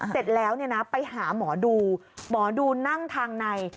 เสร็จแล้วไปหาหมอดูหมอดูนั่งทางใน